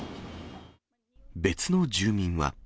別の住民は。